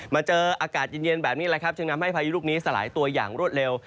มาเจออากาศเย็นแบบนี้แหละครับจึงทำให้พายุลูกนี้สลายตัวอย่างรวดเร็ว